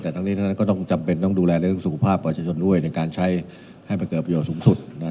แต่ทั้งนี้ต้องจำเป็นดูแลเรื่องสูงภาพประชาชนด้วย